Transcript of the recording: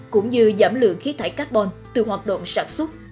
cũng như giảm lượng khí thải carbon từ hoạt động sản xuất